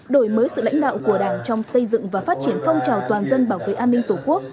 đổi mới sự lãnh đạo của đảng trong xây dựng và phát triển phong trào toàn dân bảo vệ an ninh tổ quốc